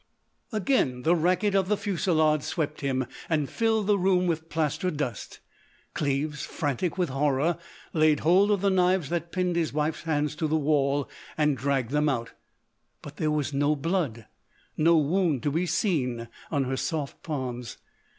Again the racket of the fusillade swept him and filled the room with plaster dust. Cleves, frantic with horror, laid hold of the knives that pinned his wife's hands to the wall, and dragged them out. But there was no blood, no wound to be seen on her soft palms.